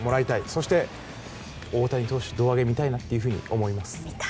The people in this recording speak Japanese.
そして、大谷投手胴上げ見たいなと思います。